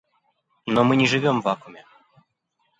Но мы не живем в вакууме.